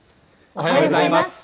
おはようございます。